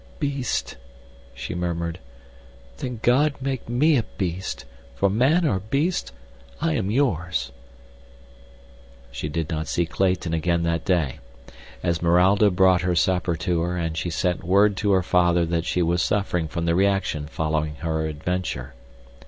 "Beast?" she murmured. "Then God make me a beast; for, man or beast, I am yours." She did not see Clayton again that day. Esmeralda brought her supper to her, and she sent word to her father that she was suffering from the reaction following her adventure.